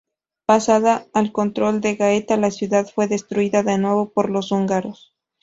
Pasada al control de Gaeta, la ciudad fue destruida de nuevo por los húngaros.